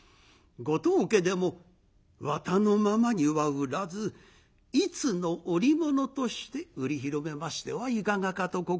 ご当家でも綿のままには売らず一の織物として売り広めましてはいかがかと心得ます」。